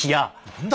何だ！